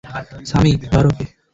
সামি, ধর ওকে।